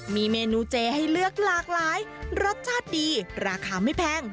มีเมนูเจให้เลือกหลากหลายรสชาติดีราคาไม่แพง